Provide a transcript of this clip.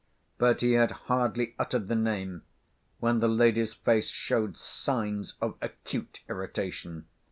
But he had hardly uttered the name, when the lady's face showed signs of acute irritation.